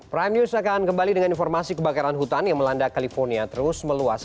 prime news akan kembali dengan informasi kebakaran hutan yang melanda california terus meluas